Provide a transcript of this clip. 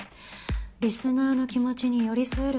リスナーの気持ちに寄り添える